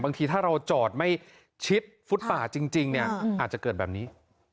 บางทีถ้าเราจอดไม่ชิดฟุตป่าจริงเนี่ยอาจจะเกิดแบบนี้